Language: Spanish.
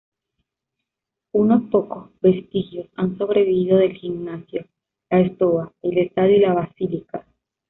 Unos pocos vestigios han sobrevivido del gimnasio, la stoa, el estadio y la basílica.